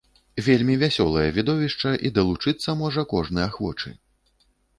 Вельмі вясёлае відовішча, і далучыцца можа кожны ахвочы!